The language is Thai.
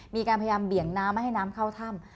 มีการพยายามเบี่ยงน้ำไม่ให้น้ำเข้าถ้ำ